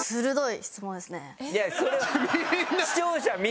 いやそれは。